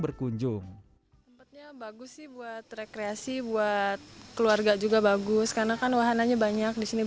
berkunjung tempatnya bagus sih buat rekreasi buat keluarga juga bagus karena kan wahananya banyak disini